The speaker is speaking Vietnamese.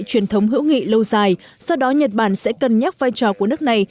truyền thống hữu nghị lâu dài do đó nhật bản sẽ cân nhắc vai trò của nước này